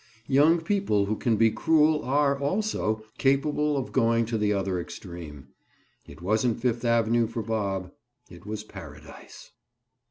Young people who can be cruel are, also, capable of going to the other extreme. It wasn't Fifth Avenue for Bob. It was Paradise.